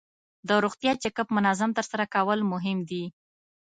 د روغتیا چک اپ منظم ترسره کول مهم دي.